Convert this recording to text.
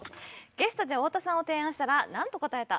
ゲストで太田さんを提案したらなんと答えた？